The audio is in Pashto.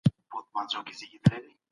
د خدای ښار کتاب لاتیني ژبه و.